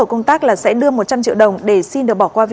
công tác tuần tra kiểm soát